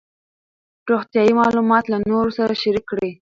روغتیایي معلومات له نورو سره شریک کړئ.